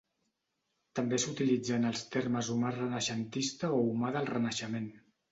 També s'utilitzen els termes humà renaixentista o humà del Renaixement.